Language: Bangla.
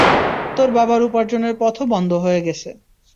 তোর বাবার উপার্জনের পথও বন্ধ হয়ে গেছে।